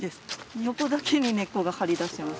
横だけに根っこが張り出してます。